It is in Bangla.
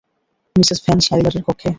মিসেস ভ্যান শাইলারের কক্ষে।